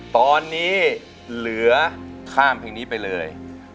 ตอนนี้เหลือข้ามเพลงนี้ไปเลย